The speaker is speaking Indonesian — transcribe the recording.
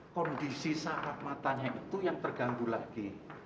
kondisi saat matanya itu yang terganggu lagi